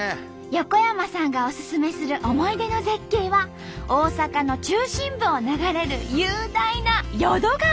横山さんがおすすめする思い出の絶景は大阪の中心部を流れる雄大な淀川。